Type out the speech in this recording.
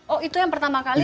oh itu yang pertama kali